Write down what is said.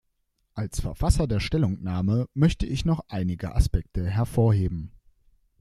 Als Verfasser der Stellungnahme möchte ich noch einige Aspekte hervorheben.